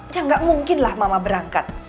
ya nggak mungkinlah mama berangkat